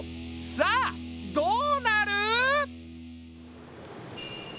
さあどうなる？